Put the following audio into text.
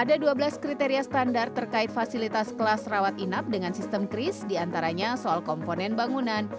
ada dua belas kriteria standar terkait fasilitas kelas rawat inap dengan sistem kris diantaranya soal komponen bangunan